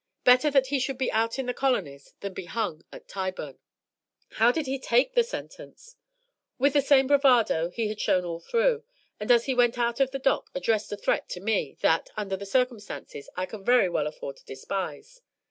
Better that he should be out in the colonies than be hung at Tyburn." "How did he take the sentence?" "With the same bravado he had shown all through, and as he went out of the dock addressed a threat to me, that, under the circumstances, I can very well afford to despise.